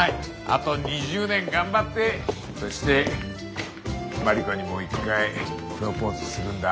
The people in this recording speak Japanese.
あと２０年頑張ってそして真理子にもう一回プロポーズするんだ。